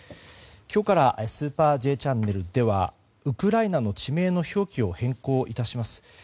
今日から「スーパーＪチャンネル」ではウクライナの地名の表記を変更致します。